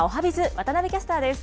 渡部キャスターです。